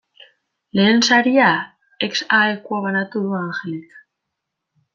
Lehen saria ex aequo banatu du Angelek.